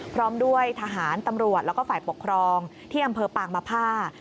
พร้อมด้วยทหารตำรวจแล้วก็ฝ่ายปกครองที่อำเภอปางมภา